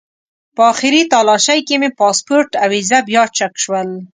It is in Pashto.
په آخري تالاشۍ کې مې پاسپورټ او ویزه بیا چک شول.